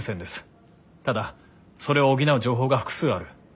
ただそれを補う情報が複数ある。